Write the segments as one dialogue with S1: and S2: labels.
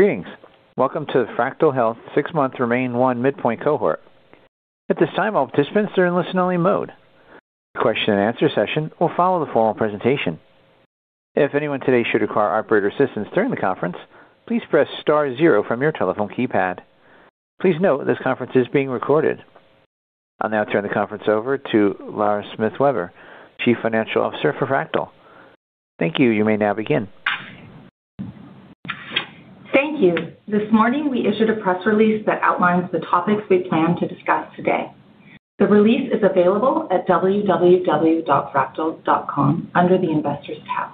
S1: Greetings. Welcome to the Fractyl Health six-month REMAIN-1 midpoint cohort. At this time, all participants are in listen-only mode. The question and answer session will follow the formal presentation. If anyone today should require operator assistance during the conference, please press star zero from your telephone keypad. Please note, this conference is being recorded. I'll now turn the conference over to Lara Smith Weber, Chief Financial Officer for Fractyl. Thank you. You may now begin.
S2: Thank you. This morning, we issued a press release that outlines the topics we plan to discuss today. The release is available at www.fractyl.com under the Investors tab.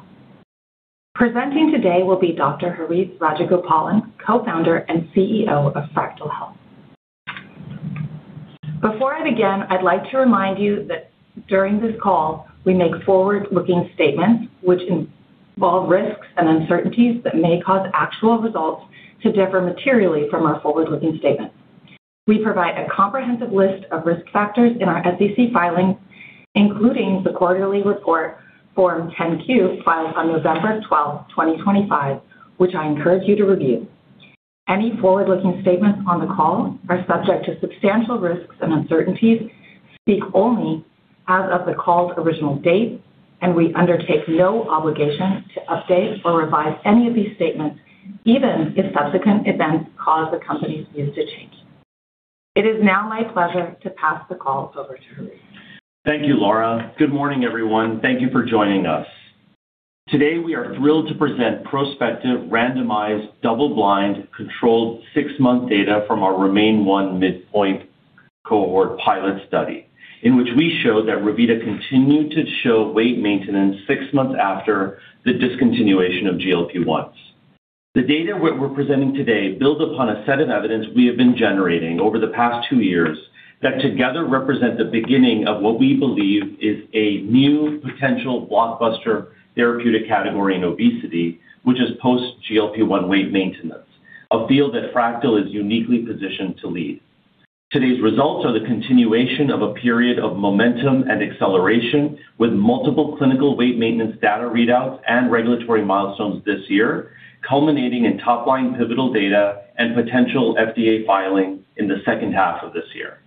S2: Presenting today will be Dr. Harith Rajagopalan, Co-founder and CEO of Fractyl Health. Before I begin, I'd like to remind you that during this call, we make forward-looking statements which involve risks and uncertainties that may cause actual results to differ materially from our forward-looking statements. We provide a comprehensive list of risk factors in our SEC filings, including the quarterly report Form 10-Q, filed on November twelfth, twenty twenty-five, which I encourage you to review. Any forward-looking statements on the call are subject to substantial risks and uncertainties, speak only as of the call's original date, and we undertake no obligation to update or revise any of these statements, even if subsequent events cause the company's views to change. It is now my pleasure to pass the call over to Harith.
S3: Thank you, Lara. Good morning, everyone. Thank you for joining us. Today, we are thrilled to present prospective, randomized, double-blind, controlled six-month data from our REMAIN-1 midpoint cohort pilot study, in which we show that Revita continued to show weight maintenance six months after the discontinuation of GLP-1s. The data we're presenting today builds upon a set of evidence we have been generating over the past two years that together represent the beginning of what we believe is a new potential blockbuster therapeutic category in obesity, which is post-GLP-1 weight maintenance, a field that Fractyl is uniquely positioned to lead. Today's results are the continuation of a period of momentum and acceleration with multiple clinical weight maintenance data readouts and regulatory milestones this year, culminating in top-line pivotal data and potential FDA filing in the second half of this year.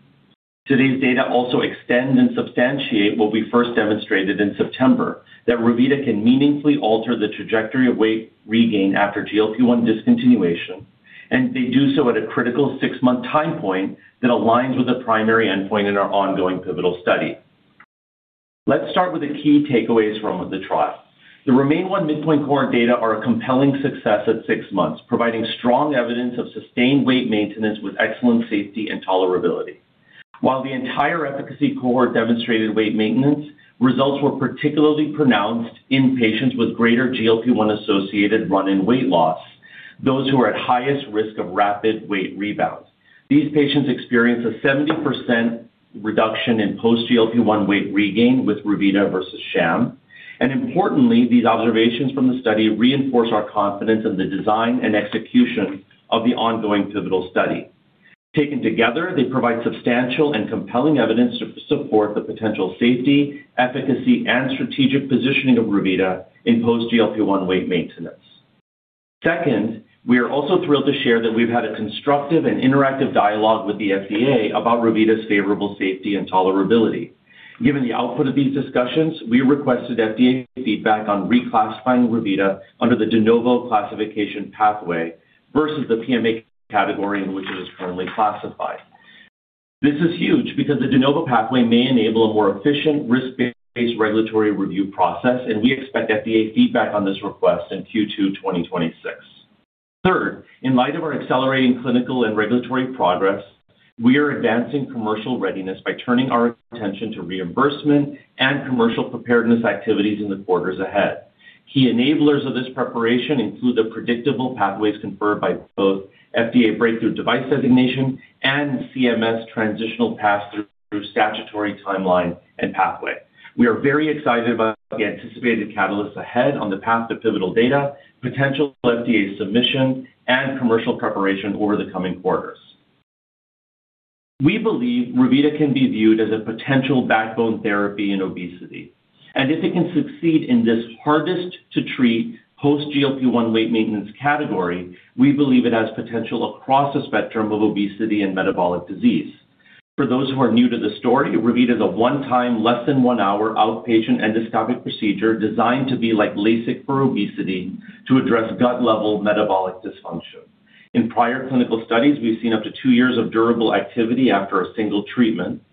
S3: Today's data also extend and substantiate what we first demonstrated in September, that Revita can meaningfully alter the trajectory of weight regain after GLP-1 discontinuation, and they do so at a critical six-month time point that aligns with the primary endpoint in our ongoing pivotal study. Let's start with the key takeaways from the trial. The REMAIN-1 midpoint cohort data are a compelling success at six months, providing strong evidence of sustained weight maintenance with excellent safety and tolerability. While the entire efficacy cohort demonstrated weight maintenance, results were particularly pronounced in patients with greater GLP-1-associated run-in weight loss, those who are at highest risk of rapid weight rebounds. These patients experienced a 70% reduction in post-GLP-1 weight regain with Revita versus sham, and importantly, these observations from the study reinforce our confidence in the design and execution of the ongoing pivotal study. Taken together, they provide substantial and compelling evidence to support the potential safety, efficacy, and strategic positioning of Revita in post GLP-1 weight maintenance. Second, we are also thrilled to share that we've had a constructive and interactive dialogue with the FDA about Revita's favorable safety and tolerability. Given the output of these discussions, we requested FDA feedback on reclassifying Revita under the De Novo classification pathway versus the PMA category in which it is currently classified. This is huge because the De Novo pathway may enable a more efficient, risk-based regulatory review process, and we expect FDA feedback on this request in Q2 2026. Third, in light of our accelerating clinical and regulatory progress, we are advancing commercial readiness by turning our attention to reimbursement and commercial preparedness activities in the quarters ahead. Key enablers of this preparation include the predictable pathways conferred by both FDA Breakthrough Device Designation and CMS Transitional Pass-Through statutory timeline and pathway. We are very excited about the anticipated catalysts ahead on the path to pivotal data, potential FDA submission, and commercial preparation over the coming quarters. We believe Revita can be viewed as a potential backbone therapy in obesity, and if it can succeed in this hardest to treat post GLP-1 weight maintenance category, we believe it has potential across the spectrum of obesity and metabolic disease. For those who are new to the story, Revita is a 1-time, less than one-hour outpatient endoscopic procedure designed to be like LASIK for obesity to address gut-level metabolic dysfunction. In prior clinical studies, we've seen up to two years of durable activity after a single treatment.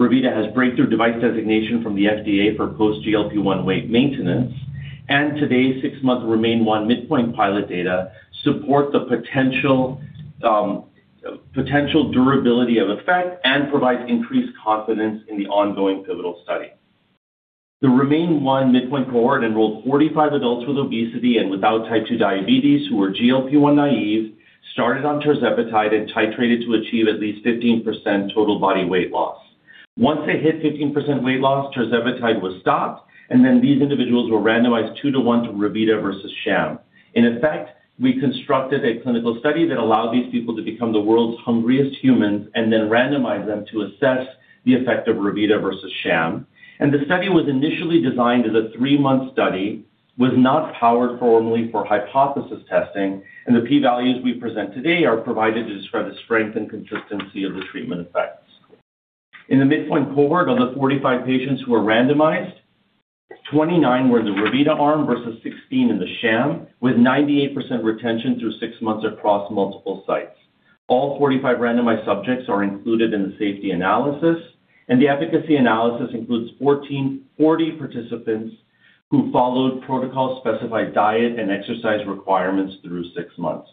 S3: Revita has breakthrough device designation from the FDA for post GLP-1 weight maintenance, and today's six-month REMAIN-1 midpoint pilot data support the potential durability of effect and provides increased confidence in the ongoing pivotal study. The REMAIN-1 midpoint cohort enrolled 45 adults with obesity and without type 2 diabetes who were GLP-1 naive, started on tirzepatide, and titrated to achieve at least 15% total body weight loss. Once they hit 15% weight loss, tirzepatide was stopped, and then these individuals were randomized 2-to-1 to Revita versus sham. In effect, we constructed a clinical study that allowed these people to become the world's hungriest humans and then randomized them to assess the effect of Revita versus sham. And the study was initially designed as a three-month study, was not powered formally for hypothesis testing, and the P-values we present today are provided to describe the strength and consistency of the treatment effect.... In the midpoint cohort, of the 45 patients who were randomized, 29 were in the Revita arm versus 16 in the sham, with 98% retention through six months across multiple sites. All 45 randomized subjects are included in the safety analysis, and the efficacy analysis includes 40 participants who followed protocol-specified diet and exercise requirements through six months.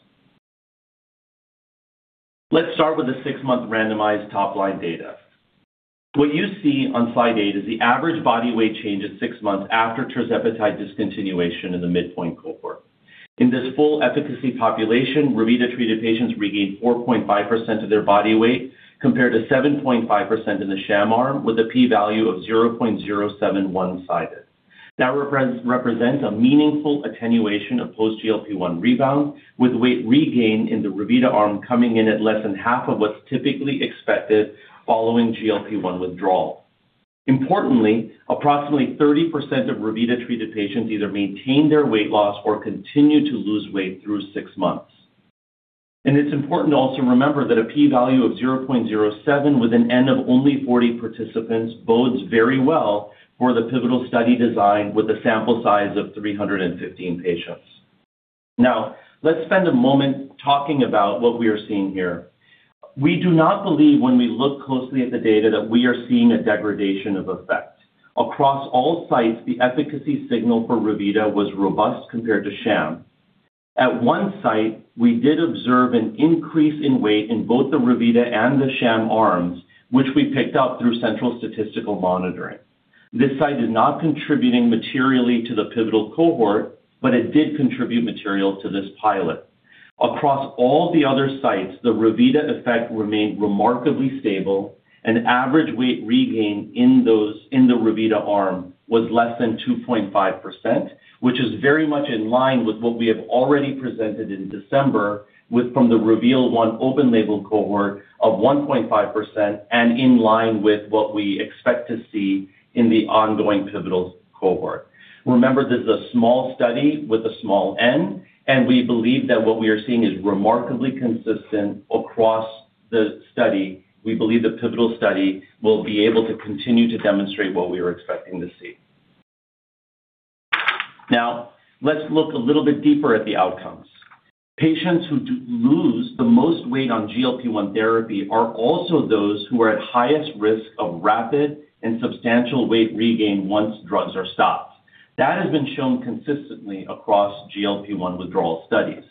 S3: Let's start with the six-month randomized top-line data. What you see on slide eight is the average body weight change at six months after tirzepatide discontinuation in the midpoint cohort. In this full efficacy population, Revita-treated patients regained 4.5% of their body weight, compared to 7.5% in the sham arm, with a p-value of 0.07 one-sided. That represents a meaningful attenuation of post GLP-1 rebound, with weight regain in the Revita arm coming in at less than half of what's typically expected following GLP-1 withdrawal. Importantly, approximately 30% of Revita-treated patients either maintained their weight loss or continued to lose weight through six months. It's important to also remember that a p-value of 0.07 with an n of only 40 participants bodes very well for the pivotal study design with a sample size of 315 patients. Now, let's spend a moment talking about what we are seeing here. We do not believe when we look closely at the data, that we are seeing a degradation of effect. Across all sites, the efficacy signal for Revita was robust compared to sham. At one site, we did observe an increase in weight in both the Revita and the sham arms, which we picked up through central statistical monitoring. This site is not contributing materially to the pivotal cohort, but it did contribute material to this pilot. Across all the other sites, the Revita effect remained remarkably stable, and average weight regain in those, in the Revita arm was less than 2.5%, which is very much in line with what we have already presented in December, with from the REVEAL-1 open label cohort of 1.5% and in line with what we expect to see in the ongoing pivotal cohort. Remember, this is a small study with a small n, and we believe that what we are seeing is remarkably consistent across the study. We believe the pivotal study will be able to continue to demonstrate what we were expecting to see. Now, let's look a little bit deeper at the outcomes. Patients who do lose the most weight on GLP-1 therapy are also those who are at highest risk of rapid and substantial weight regain once drugs are stopped. That has been shown consistently across GLP-1 withdrawal studies,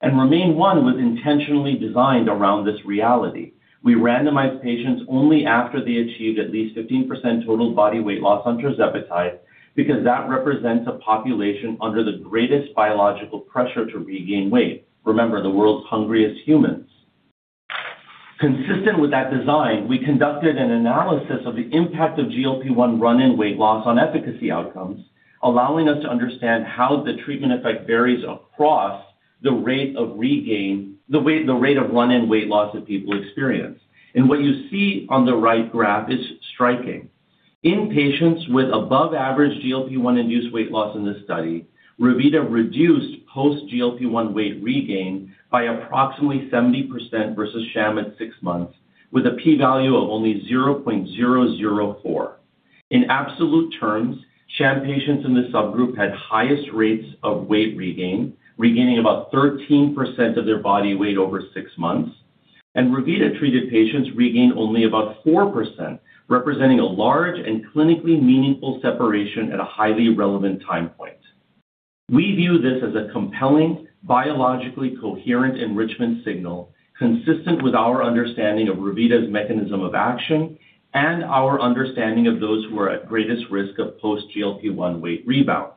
S3: and REMAIN-1 was intentionally designed around this reality. We randomized patients only after they achieved at least 15% total body weight loss on tirzepatide, because that represents a population under the greatest biological pressure to regain weight. Remember, the world's hungriest humans. Consistent with that design, we conducted an analysis of the impact of GLP-1 run-in weight loss on efficacy outcomes, allowing us to understand how the treatment effect varies across the rate of regain, the weight, the rate of run-in weight loss that people experience. What you see on the right graph is striking. In patients with above average GLP-1 induced weight loss in this study, Revita reduced post-GLP-1 weight regain by approximately 70% versus sham at six months, with a p-value of only 0.004. In absolute terms, sham patients in this subgroup had highest rates of weight regain, regaining about 13% of their body weight over six months, and Revita-treated patients regained only about 4%, representing a large and clinically meaningful separation at a highly relevant time point. We view this as a compelling, biologically coherent enrichment signal, consistent with our understanding of Revita's mechanism of action and our understanding of those who are at greatest risk of post-GLP-1 weight rebound.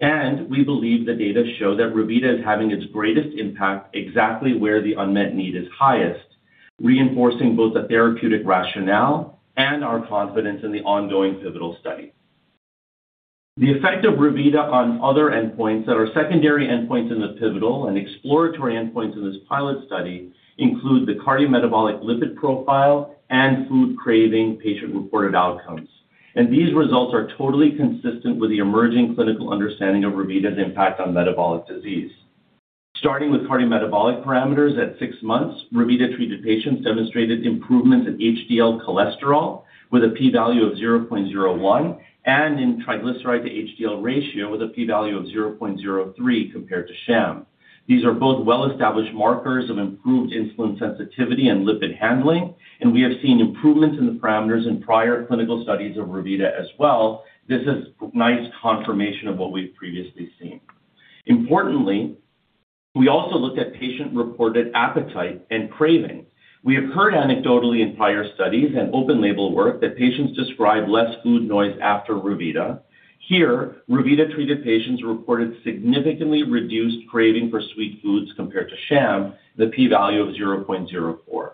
S3: We believe the data show that Revita is having its greatest impact exactly where the unmet need is highest, reinforcing both the therapeutic rationale and our confidence in the ongoing pivotal study. The effect of Revita on other endpoints that are secondary endpoints in the pivotal and exploratory endpoints in this pilot study include the cardiometabolic lipid profile and food craving patient-reported outcomes. These results are totally consistent with the emerging clinical understanding of Revita's impact on metabolic disease. Starting with cardiometabolic parameters, at six months, Revita-treated patients demonstrated improvements in HDL cholesterol with a p-value of 0.01, and in triglyceride to HDL ratio with a p-value of 0.03 compared to sham. These are both well-established markers of improved insulin sensitivity and lipid handling, and we have seen improvements in the parameters in prior clinical studies of Revita as well. This is nice confirmation of what we've previously seen. Importantly, we also looked at patient-reported appetite and craving. We have heard anecdotally in prior studies and open label work that patients describe less food noise after Revita. Here, Revita-treated patients reported significantly reduced craving for sweet foods compared to sham, the p-value of 0.04.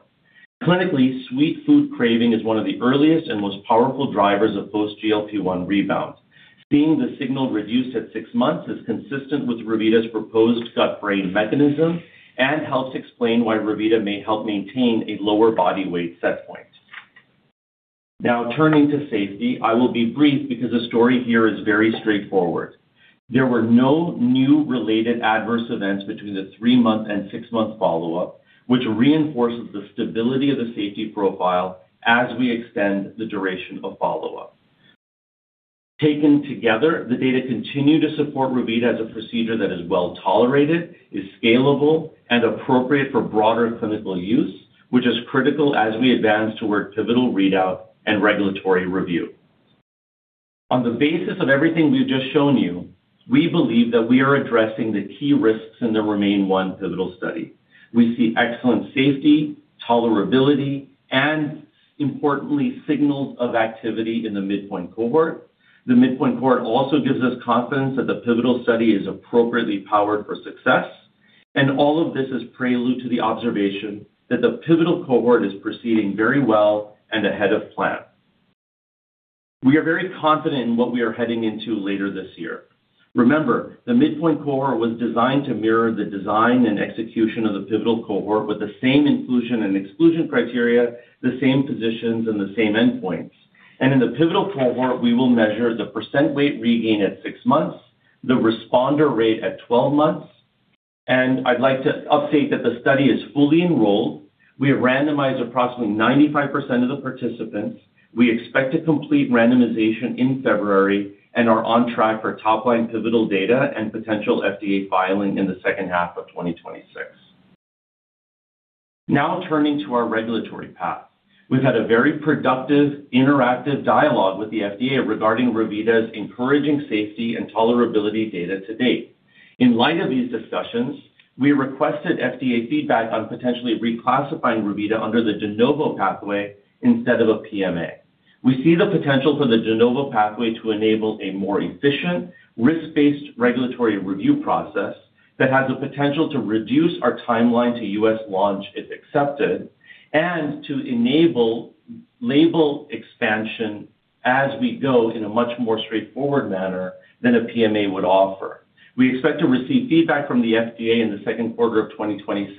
S3: Clinically, sweet food craving is one of the earliest and most powerful drivers of post-GLP-1 rebounds. Seeing the signal reduced at six months is consistent with Revita's proposed gut-brain mechanism and helps explain why Revita may help maintain a lower body weight set point. Now, turning to safety, I will be brief because the story here is very straightforward. There were no new related adverse events between the three-month and six-month follow-up, which reinforces the stability of the safety profile as we extend the duration of follow-up.... Taken together, the data continue to support Revita as a procedure that is well tolerated, is scalable, and appropriate for broader clinical use, which is critical as we advance toward pivotal readout and regulatory review. On the basis of everything we've just shown you, we believe that we are addressing the key risks in the REMAIN-1 pivotal study. We see excellent safety, tolerability, and importantly, signals of activity in the midpoint cohort. The midpoint cohort also gives us confidence that the pivotal study is appropriately powered for success, and all of this is prelude to the observation that the pivotal cohort is proceeding very well and ahead of plan. We are very confident in what we are heading into later this year. Remember, the midpoint cohort was designed to mirror the design and execution of the pivotal cohort with the same inclusion and exclusion criteria, the same positions, and the same endpoints. In the pivotal cohort, we will measure the percent weight regain at six months, the responder rate at twelve months. I'd like to update that the study is fully enrolled. We have randomized approximately 95% of the participants. We expect to complete randomization in February and are on track for top-line pivotal data and potential FDA filing in the second half of 2026. Now, turning to our regulatory path. We've had a very productive, interactive dialogue with the FDA regarding Revita's encouraging safety and tolerability data to date. In light of these discussions, we requested FDA feedback on potentially reclassifying Revita under the De Novo pathway instead of a PMA. We see the potential for the De Novo pathway to enable a more efficient, risk-based regulatory review process that has the potential to reduce our timeline to U.S. launch, if accepted, and to enable label expansion as we go in a much more straightforward manner than a PMA would offer. We expect to receive feedback from the FDA in the second quarter of 2026,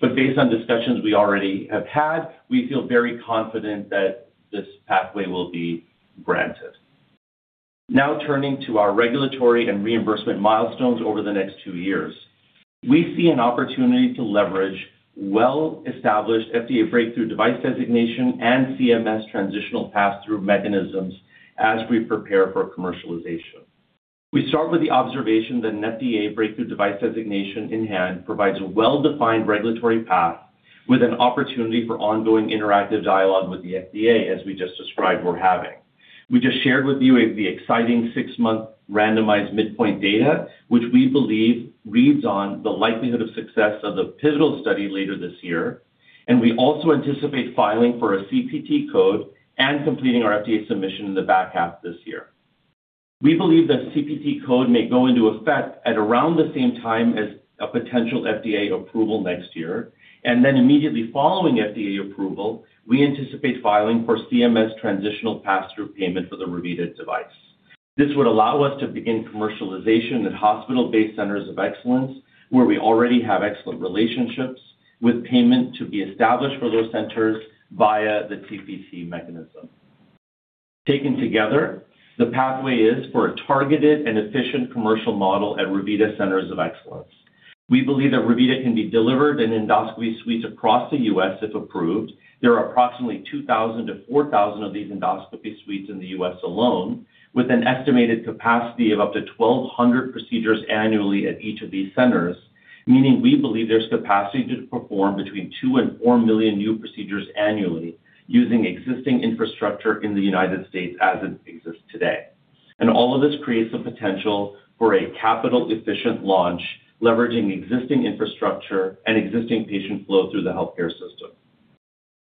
S3: but based on discussions we already have had, we feel very confident that this pathway will be granted. Now, turning to our regulatory and reimbursement milestones over the next two years. We see an opportunity to leverage well-established FDA Breakthrough Device Designation and CMS Transitional Pass-Through mechanisms as we prepare for commercialization. We start with the observation that an FDA Breakthrough Device Designation in hand provides a well-defined regulatory path with an opportunity for ongoing interactive dialogue with the FDA, as we just described we're having. We just shared with you the exciting six-month randomized midpoint data, which we believe reads on the likelihood of success of the pivotal study later this year, and we also anticipate filing for a CPT code and completing our FDA submission in the back half of this year. We believe that CPT code may go into effect at around the same time as a potential FDA approval next year, and then immediately following FDA approval, we anticipate filing for CMS transitional pass-through payment for the Revita device. This would allow us to begin commercialization at hospital-based centers of excellence, where we already have excellent relationships, with payment to be established for those centers via the TPT mechanism. Taken together, the pathway is for a targeted and efficient commercial model at Revita Centers of Excellence. We believe that Revita can be delivered in endoscopy suites across the U.S., if approved. There are approximately 2,000-4,000 of these endoscopy suites in the U.S. alone, with an estimated capacity of up to 1,200 procedures annually at each of these centers, meaning we believe there's capacity to perform between two to four million new procedures annually using existing infrastructure in the United States as it exists today. And all of this creates the potential for a capital-efficient launch, leveraging existing infrastructure and existing patient flow through the healthcare system.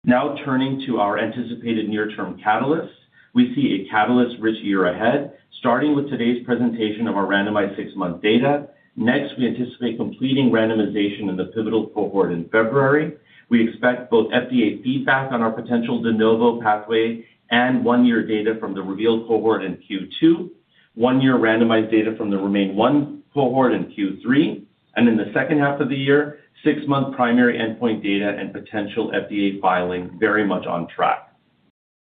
S3: Now, turning to our anticipated near-term catalysts. We see a catalyst-rich year ahead, starting with today's presentation of our randomized six-month data. Next, we anticipate completing randomization in the pivotal cohort in February. We expect both FDA feedback on our potential De Novo pathway and one-year data from the REVEAL-1 cohort in Q2, one-year randomized data from the REMAIN-1 cohort in Q3, and in the second half of the year, six-month primary endpoint data and potential FDA filing very much on track.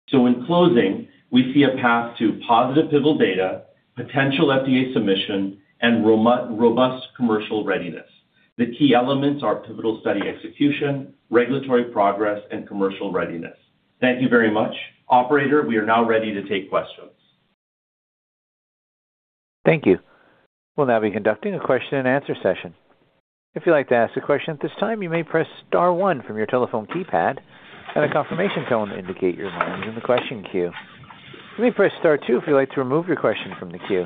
S3: So in closing, we see a path to positive pivotal data, potential FDA submission, and robust commercial readiness. The key elements are pivotal study execution, regulatory progress, and commercial readiness. Thank you very much. Operator, we are now ready to take questions.
S1: Thank you. We'll now be conducting a question-and-answer session. If you'd like to ask a question at this time, you may press star one from your telephone keypad, and a confirmation tone to indicate your line is in the question queue. You may press star two if you'd like to remove your question from the queue.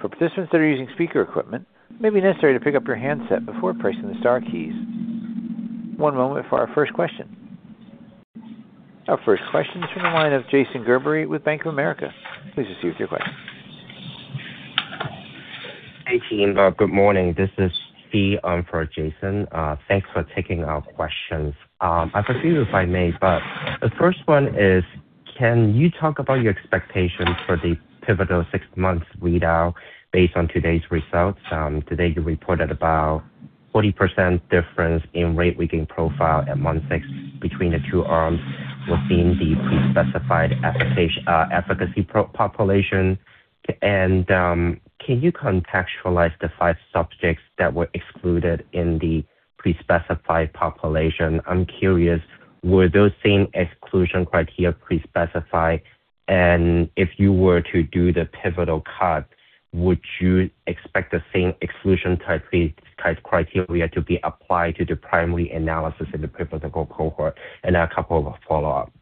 S1: For participants that are using speaker equipment, it may be necessary to pick up your handset before pressing the star keys. One moment for our first question. Our first question is from the line of Jason Gerberry with Bank of America. Please proceed with your question.
S4: Hey, team. Good morning. This is Phi for Jason. Thanks for taking our questions. I presume, if I may, but the first one is, can you talk about your expectations for the pivotal six-month readout based on today's results? Today, you reported about 40% difference in weight regain profile at month six between the two arms within the pre-specified efficacy population. And can you contextualize the five subjects that were excluded in the pre-specified population? I'm curious, were those same exclusion criteria pre-specified? And if you were to do the pivotal cut, would you expect the same exclusion criteria to be applied to the primary analysis in the pivotal cohort? And a couple of follow-up.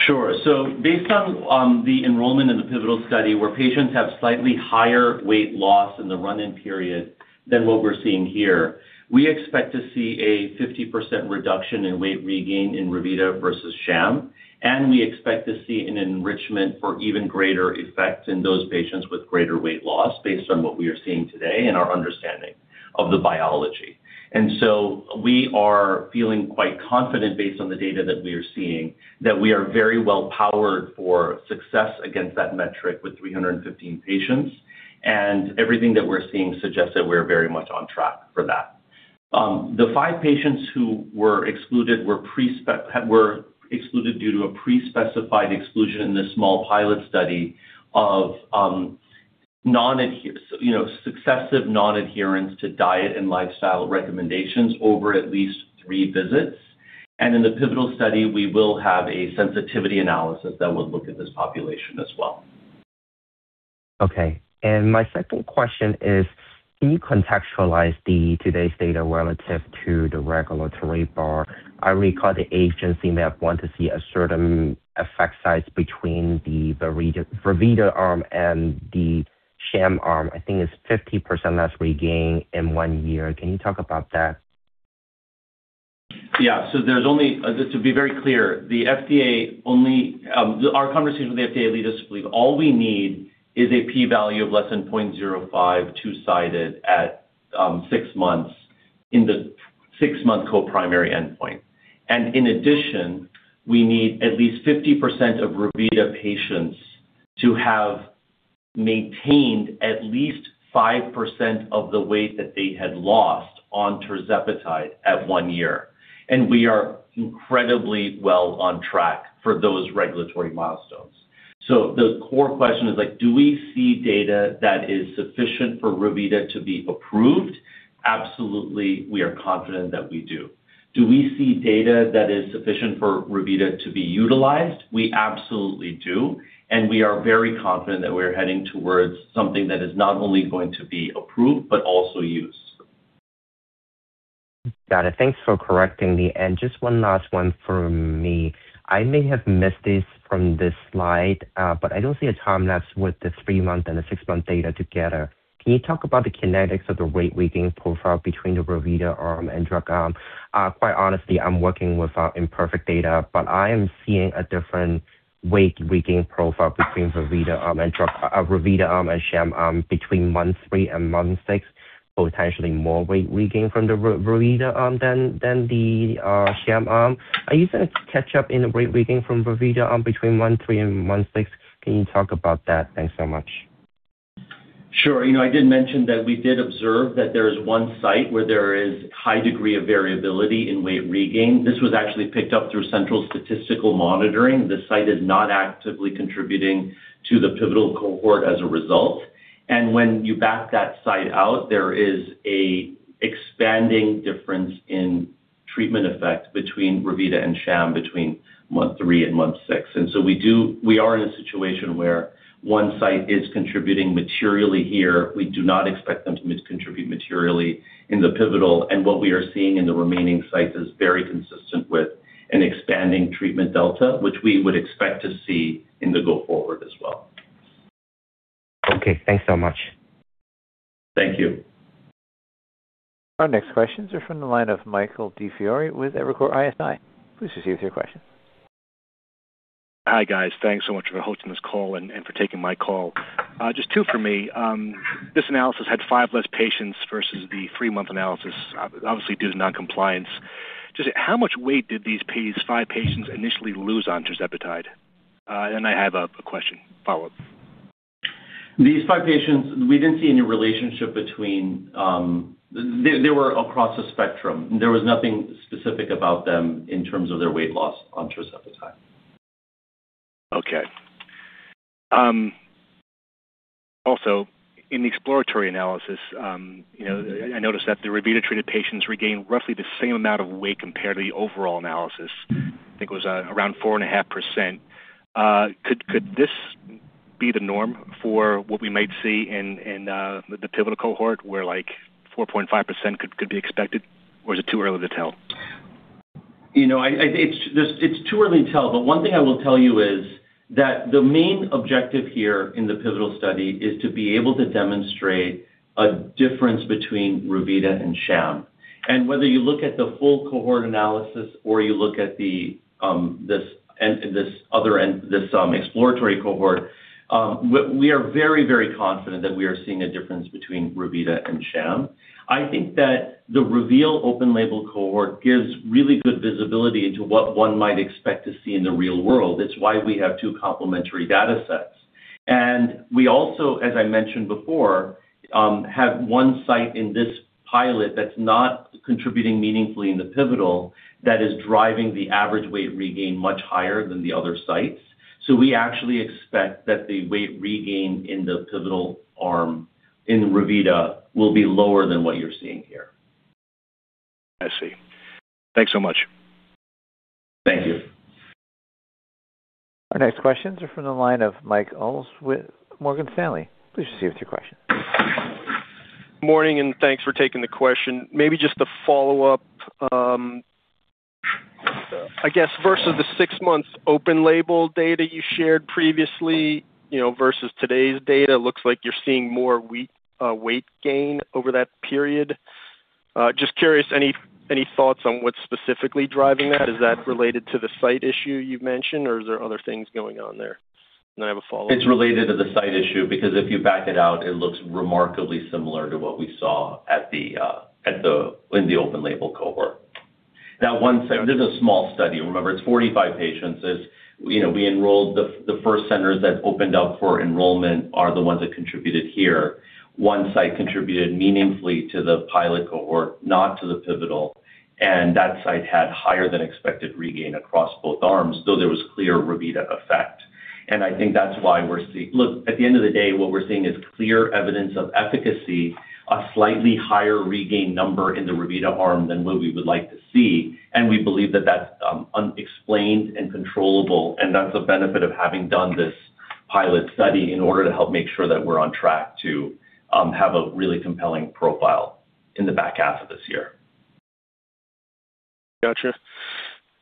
S3: Sure. So based on the enrollment in the pivotal study, where patients have slightly higher weight loss in the run-in period than what we're seeing here, we expect to see a 50% reduction in weight regain in Revita versus sham, and we expect to see an enrichment for even greater effects in those patients with greater weight loss, based on what we are seeing today and our understanding of the biology. And so we are feeling quite confident, based on the data that we are seeing, that we are very well powered for success against that metric with 315 patients, and everything that we're seeing suggests that we're very much on track for that. The 5 patients who were excluded were excluded due to a pre-specified exclusion in this small pilot study of non-adherence, you know, successive non-adherence to diet and lifestyle recommendations over at least three visits. In the pivotal study, we will have a sensitivity analysis that would look at this population as well.
S4: Okay. And my second question is: Can you contextualize today's data relative to the regulatory bar? I recall the agency may have wanted to see a certain effect size between the Revita arm and the sham arm. I think it's 50% less regain in one year. Can you talk about that?
S3: Yeah. So there's only... Just to be very clear, the FDA only, our conversation with the FDA leaders believe all we need is a p-value of less than 0.05, two-sided at, six months in the six-month co-primary endpoint. And in addition, we need at least 50% of Revita patients to have maintained at least 5% of the weight that they had lost on tirzepatide at one year. And we are incredibly well on track for those regulatory milestones. So the core question is like, do we see data that is sufficient for Revita to be approved? Absolutely, we are confident that we do. Do we see data that is sufficient for Revita to be utilized? We absolutely do, and we are very confident that we're heading towards something that is not only going to be approved, but also used.
S4: Got it. Thanks for correcting me. And just one last one for me. I may have missed this from this slide, but I don't see a time lapse with the three-month and the six-month data together. Can you talk about the kinetics of the weight regain profile between the Revita arm and drug arm? Quite honestly, I'm working with imperfect data, but I am seeing a different weight regain profile between Revita arm and drug, Revita arm and sham arm between month three and month six, potentially more weight regain from the Revita arm than the sham arm. Are you going to catch up in the weight regain from Revita arm between month three and month six? Can you talk about that? Thanks so much.
S3: Sure. You know, I did mention that we did observe that there is one site where there is high degree of variability in weight regain. This was actually picked up through central statistical monitoring. The site is not actively contributing to the pivotal cohort as a result, and when you back that site out, there is an expanding difference in treatment effect between Revita and sham between month three and month six. And so we do—we are in a situation where one site is contributing materially here. We do not expect them to contribute materially in the pivotal, and what we are seeing in the remaining sites is very consistent with an expanding treatment delta, which we would expect to see going forward as well.
S4: Okay, thanks so much.
S3: Thank you.
S1: Our next questions are from the line of Michael DiFiore with Evercore ISI. Please proceed with your question.
S5: Hi, guys. Thanks so much for hosting this call and for taking my call. Just two for me. This analysis had five less patients versus the three-month analysis, obviously, due to noncompliance. Just how much weight did these five patients initially lose on tirzepatide? And I have a question follow-up.
S3: These five patients, we didn't see any relationship between. They were across the spectrum. There was nothing specific about them in terms of their weight loss on tirzepatide.
S5: Okay. Also, in the exploratory analysis, you know, I noticed that the Revita-treated patients regained roughly the same amount of weight compared to the overall analysis. I think it was around 4.5%. Could, could this be the norm for what we might see in the pivotal cohort, where, like, 4.5% could, could be expected, or is it too early to tell?
S3: You know, it's just, it's too early to tell, but one thing I will tell you is that the main objective here in the pivotal study is to be able to demonstrate a difference between Revita and sham. And whether you look at the full cohort analysis or you look at the this and this other end, this exploratory cohort, we are very, very confident that we are seeing a difference between Revita and sham. I think that the REVEAL open label cohort gives really good visibility into what one might expect to see in the real world. It's why we have two complementary data sets. And we also, as I mentioned before, have one site in this pilot that's not contributing meaningfully in the pivotal, that is driving the average weight regain much higher than the other sites. So we actually expect that the weight regain in the pivotal arm in Revita will be lower than what you're seeing here.
S5: I see. Thanks so much.
S3: Thank you.
S1: Our next questions are from the line of Mike Ulz with Morgan Stanley. Please proceed with your question.
S6: Morning, and thanks for taking the question. Maybe just to follow up, I guess versus the six months open label data you shared previously, you know, versus today's data, looks like you're seeing more weight gain over that period. Just curious, any thoughts on what's specifically driving that? Is that related to the site issue you've mentioned, or is there other things going on there? And I have a follow-up.
S3: It's related to the site issue, because if you back it out, it looks remarkably similar to what we saw at the, in the open label cohort. Now, one site... This is a small study. Remember, it's 45 patients. As you know, we enrolled the first centers that opened up for enrollment are the ones that contributed here. One site contributed meaningfully to the pilot cohort, not to the pivotal, and that site had higher than expected regain across both arms, though there was clear Revita effect. And I think that's why we're seeing. Look, at the end of the day, what we're seeing is clear evidence of efficacy, a slightly higher regain number in the Revita arm than what we would like to see, and we believe that that's unexplained and controllable. That's the benefit of having done this pilot study in order to help make sure that we're on track to have a really compelling profile in the back half of this year.
S6: Gotcha.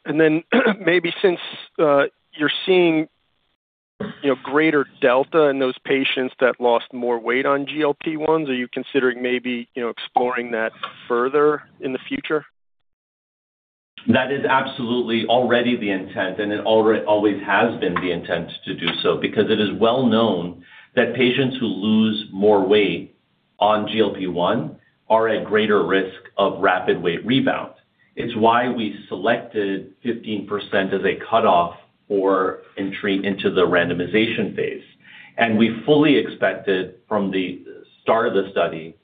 S6: And then maybe since you're seeing, you know, greater delta in those patients that lost more weight on GLP-1, are you considering maybe, you know, exploring that further in the future?
S3: That is absolutely already the intent, and it always has been the intent to do so, because it is well known that patients who lose more weight on GLP-1 are at greater risk of rapid weight rebound. It's why we selected 15% as a cutoff for entry into the randomization phase. We fully expected from the start of the study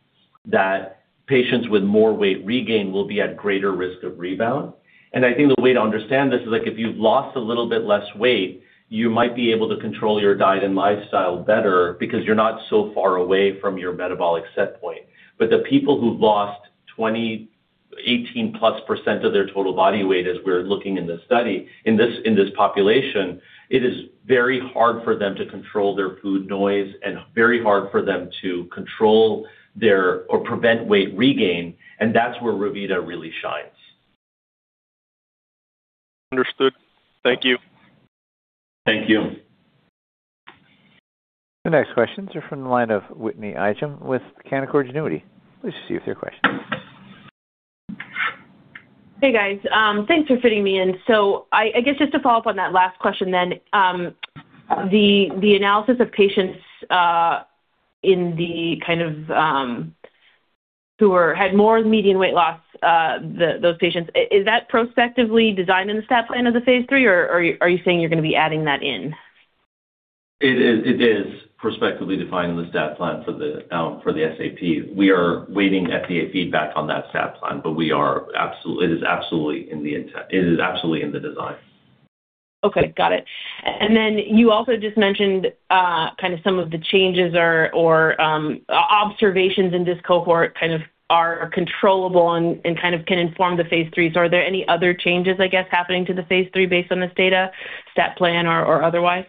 S3: that patients with more weight regain will be at greater risk of rebound. I think the way to understand this is like if you've lost a little bit less weight, you might be able to control your diet and lifestyle better because you're not so far away from your metabolic set point. But the people who've lost 28+% of their total body weight, as we're looking in this study, in this population, it is very hard for them to control their food noise and very hard for them to control their, or prevent weight regain, and that's where Revita really shines.
S6: Understood. Thank you.
S3: Thank you.
S1: The next questions are from the line of Whitney Ijem with Canaccord Genuity. Please proceed with your question.
S7: Hey, guys. Thanks for fitting me in. So I guess just to follow up on that last question then, the analysis of patients in the kind of who had more median weight loss, those patients, is that prospectively designed in the stat plan of the phase III, or are you saying you're gonna be adding that in?
S3: It is, it is prospectively defined in the stat plan for the SAP. We are waiting FDA feedback on that stat plan, but we are absolutely, it is absolutely in the intent. It is absolutely in the design.
S7: Okay, got it. And then you also just mentioned kind of some of the changes or observations in this cohort kind of are controllable and kind of can inform the phase III. So are there any other changes, I guess, happening to the phase III based on this data, stat plan or otherwise?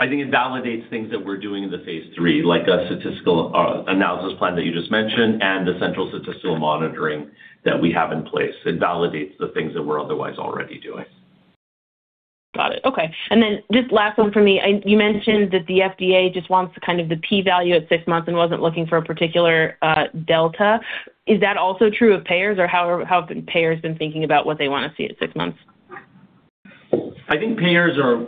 S3: I think it validates things that we're doing in the phase III, like a statistical, analysis plan that you just mentioned and the central statistical monitoring that we have in place. It validates the things that we're otherwise already doing.
S7: Got it. Okay. And then just last one for me. You mentioned that the FDA just wants kind of the p-value at six months and wasn't looking for a particular, delta. Is that also true of payers, or how have payers been thinking about what they want to see at six months?
S3: I think payers are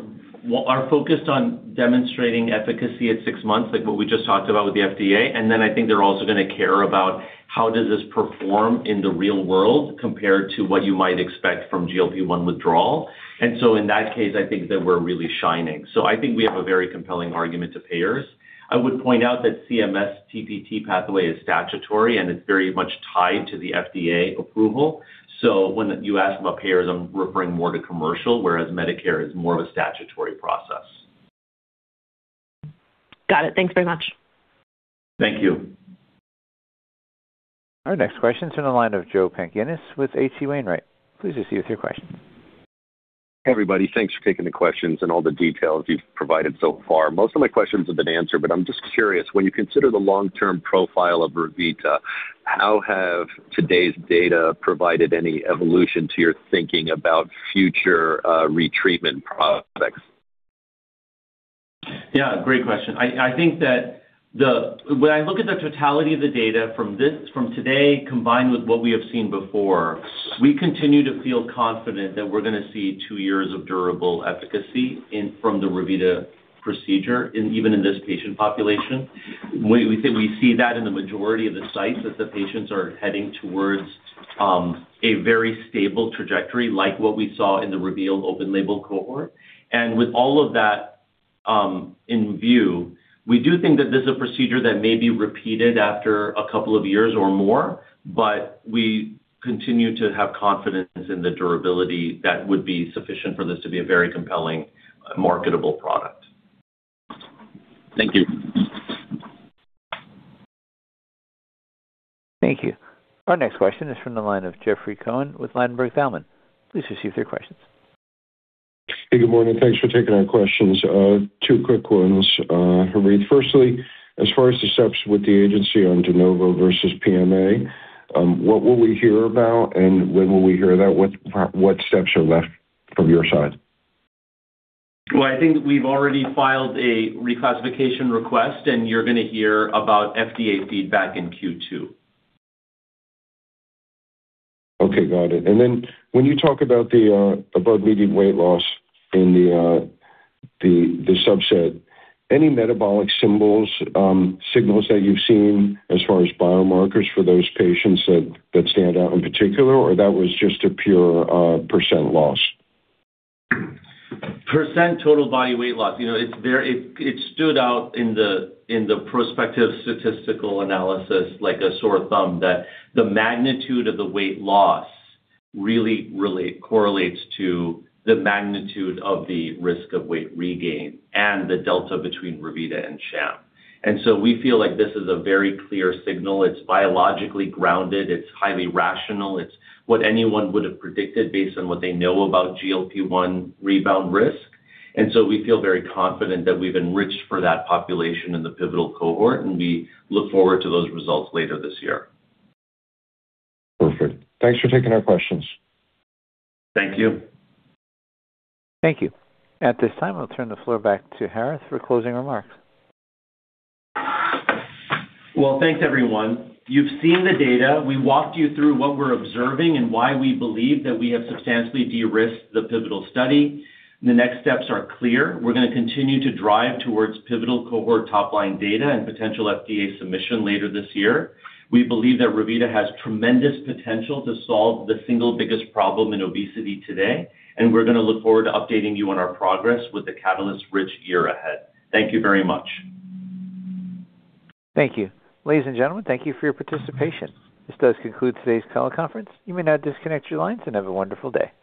S3: focused on demonstrating efficacy at six months, like what we just talked about with the FDA. And then I think they're also gonna care about how does this perform in the real world, compared to what you might expect from GLP-1 withdrawal. And so in that case, I think that we're really shining. So I think we have a very compelling argument to payers. I would point out that CMS TPT pathway is statutory, and it's very much tied to the FDA approval. So when you ask about payers, I'm referring more to commercial, whereas Medicare is more of a statutory process.
S7: Got it. Thanks very much.
S3: Thank you.
S1: Our next question is in the line of Joseph Pantginis with H.C. Wainwright. Please proceed with your question.
S8: Hey, everybody. Thanks for taking the questions and all the details you've provided so far. Most of my questions have been answered, but I'm just curious, when you consider the long-term profile of Revita, how have today's data provided any evolution to your thinking about future retreatment prospects?
S3: Yeah, great question. I, I think that the... When I look at the totality of the data from this, from today, combined with what we have seen before, we continue to feel confident that we're gonna see two years of durable efficacy in from the Revita procedure, in even in this patient population. We, we think we see that in the majority of the sites, that the patients are heading towards a very stable trajectory, like what we saw in the REVEAL open-label cohort. And with all of that, in view, we do think that this is a procedure that may be repeated after a couple of years or more, but we continue to have confidence in the durability that would be sufficient for this to be a very compelling, marketable product.
S8: Thank you.
S1: Our next question is from the line of Jeffrey Cohen with Ladenburg Thalmann. Please proceed with your questions.
S9: Hey, good morning. Thanks for taking our questions. Two quick ones, Harith. Firstly, as far as the steps with the agency on de novo versus PMA, what will we hear about, and when will we hear that? What steps are left from your side?
S3: Well, I think we've already filed a reclassification request, and you're gonna hear about FDA feedback in Q2.
S9: Okay, got it. And then when you talk about the above median weight loss in the subset, any metabolic signals that you've seen as far as biomarkers for those patients that stand out in particular, or that was just a pure % loss?
S3: % total body weight loss. You know, it's very. It stood out in the prospective statistical analysis like a sore thumb, that the magnitude of the weight loss really, really correlates to the magnitude of the risk of weight regain and the delta between Revita and Sham. And so we feel like this is a very clear signal. It's biologically grounded, it's highly rational. It's what anyone would have predicted based on what they know about GLP-1 rebound risk. And so we feel very confident that we've enriched for that population in the pivotal cohort, and we look forward to those results later this year.
S9: Perfect. Thanks for taking our questions.
S3: Thank you.
S1: Thank you. At this time, I'll turn the floor back to Harith for closing remarks.
S3: Well, thanks, everyone. You've seen the data. We walked you through what we're observing and why we believe that we have substantially de-risked the pivotal study. The next steps are clear. We're gonna continue to drive towards pivotal cohort top-line data and potential FDA submission later this year. We believe that Revita has tremendous potential to solve the single biggest problem in obesity today, and we're gonna look forward to updating you on our progress with the catalyst-rich year ahead. Thank you very much.
S1: Thank you. Ladies and gentlemen, thank you for your participation. This does conclude today's call conference. You may now disconnect your lines, and have a wonderful day.